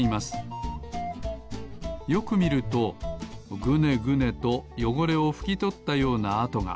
よくみるとグネグネとよごれをふきとったようなあとが。